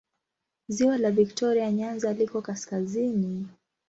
Ziwa la Viktoria Nyanza liko kaskazini.